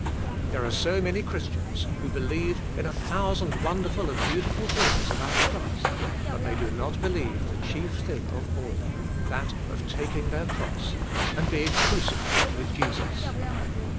There are so many Christians who believe in a 46 THE) SPIRITUAI, I,IFE. thousand wonderful and beautiful thing's about Christ but they do not believe the chief thing of all, that of taking their cross and being crucified with Jesus.